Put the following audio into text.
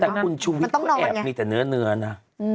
แต่คุณชูวิทย์ก็แอบมีแต่เนื้อนะ